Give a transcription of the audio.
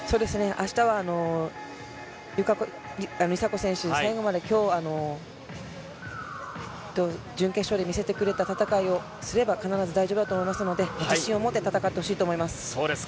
あしたは、梨紗子選手、最後まで、きょうの準決勝で見せてくれた戦いをすれば、必ず大丈夫だと思いますので、自信を持って戦ってほしいと思います。